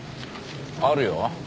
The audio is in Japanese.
あるよ。